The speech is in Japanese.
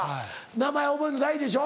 名前覚えんの大事でしょ？